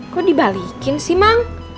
kok dibalikin sih mang